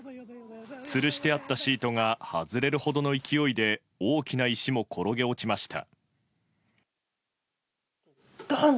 つるしてあったシートが外れるほどの勢いで大きな石も転げ落ちました。